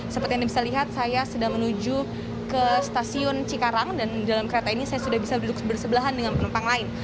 seperti yang bisa lihat saya sedang menuju ke stasiun cikarang dan dalam kereta ini saya sudah bisa duduk bersebelahan dengan penumpang lain